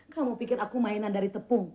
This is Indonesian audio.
kamu pikir aku mainan dari tepung